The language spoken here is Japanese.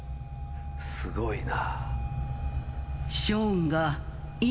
すごいな。